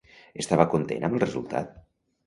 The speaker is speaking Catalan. Estava content amb el resultat?